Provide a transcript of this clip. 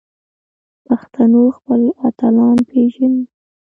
پښتنو خپل اتلان وپیژني